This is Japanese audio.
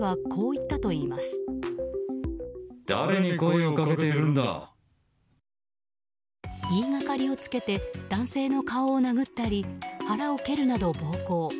言いがかりをつけて男性の顔を殴ったり腹を蹴るなど暴行。